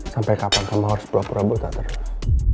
sampe kapan kamu harus pura pura buta terlalu